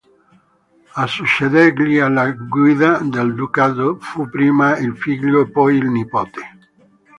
A succedergli alla guida del ducato fu prima il figlio e poi il nipote.